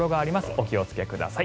お気をつけください。